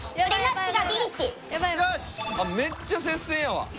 めっちゃ接戦やわ。